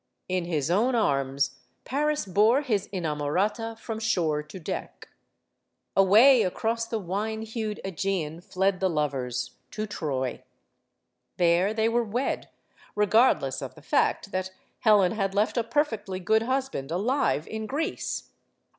In his own arms, Paris bore his inamorata from shore to deck. Away across the wine hued /Egean fled the lovers, to Troy. There they were wed; regardless of the fact that Helen had left a perfectly good husband alive in Greece.